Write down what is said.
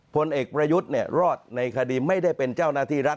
ผลเอกประยุทธ์รอดในคดีไม่ได้เป็นเจ้าหน้าที่รัฐ